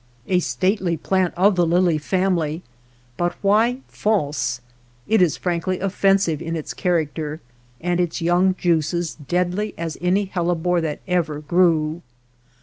A stately plant of the lily family, but why "false .f*" It is frankly offensive in its character, and its young juices deadly as any hellebore that ever grew.